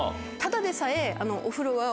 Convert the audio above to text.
ただでさえ。